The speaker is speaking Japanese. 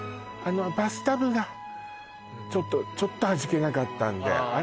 バスタブがちょっと味気なかったんでああ